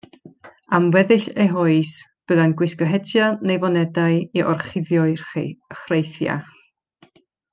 Am weddill ei hoes, byddai'n gwisgo hetiau neu fonedau i orchuddio'i chreithiau.